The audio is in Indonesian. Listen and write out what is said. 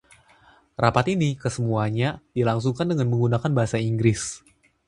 Rapat ini kesemuanya dilangsungkan dengan menggunakan bahasa Inggris.